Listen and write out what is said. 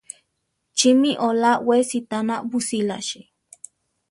Chí mi olá we sitána busílachi?